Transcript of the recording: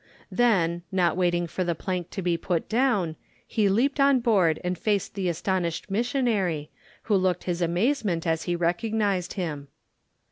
Then, not waiting for the plank to be put down, he leaped on board and faced the astonished missionary, who looked his amazement as he recognized him.